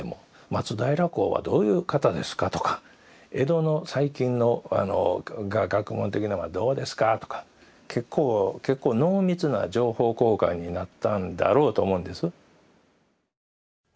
「松平公はどういう方ですか」とか「江戸の最近の学問的なんはどうですか」とか結構結構濃密な情報交換になったんだろうと思うんです。